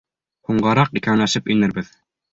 Һуңғараҡ икәүләшеп инербеҙ.